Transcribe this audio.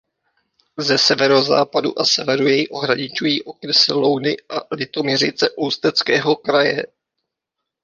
Ze severozápadu a severu jej ohraničují okresy Louny a Litoměřice Ústeckého kraje.